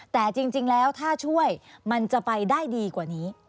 แต่จริงแล้วถ้าช่วยมันจะไปได้ดีกว่านี้